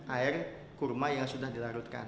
air kurma yang sudah dilarutkan